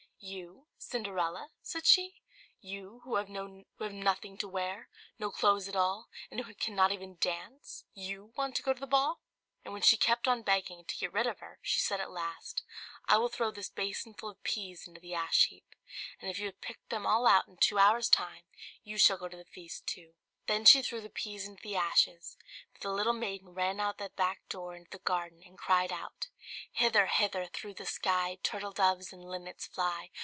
"You! Cinderella?" said she; "you who have nothing to wear, no clothes at all, and who cannot even dance you want to go to the ball?" And when she kept on begging to get rid of her, she said at last, "I will throw this basinful of peas into the ash heap, and if you have picked them all out in two hours' time you shall go to the feast too." Then she threw the peas into the ashes; but the little maiden ran out at the back door into the garden, and cried out "Hither, hither, through the sky. Turtle doves and linnets, fly!